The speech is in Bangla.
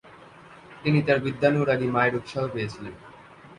তিনি তার বিদ্যানুরাগী মায়ের উৎসাহ পেয়েছিলেন।